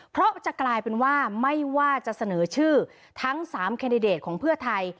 เพราะจะกลายเป็นว่าไม่ว่าจะเสนอชื่อทั้ง๓แคนดิเดตของเพื่อไทย